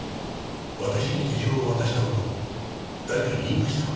私に手帳を渡した事を誰かに言いましたか？